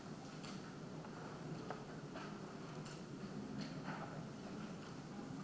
orang yang semua